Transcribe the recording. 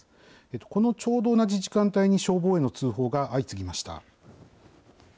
このちょうど同じ時間帯に消防への通報が相次ぎました。